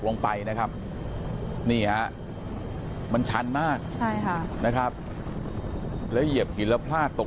ลงไปนะครับนี่ฮะมันชันมากใช่ค่ะนะครับแล้วเหยียบหินแล้วพลาดตก